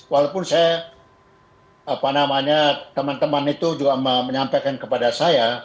walaupun saya teman teman itu juga menyampaikan kepada saya